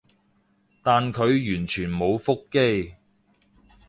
但佢完全冇覆機